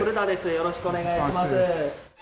よろしくお願いします。